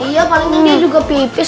iya paling nanti dia juga pipis